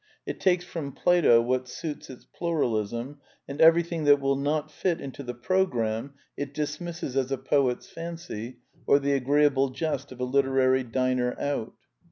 It takes from Plato what suits its Pluralism, and everything that will not fit into the programme it dismisses as a poet's fancy or the agreeable jest of a literary diner out.